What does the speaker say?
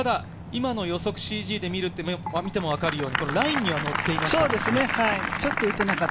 今の予測ＣＧで見ても分かるように、ラインには乗っていました。